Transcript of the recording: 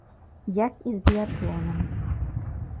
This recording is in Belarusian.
Як і з біятлонам.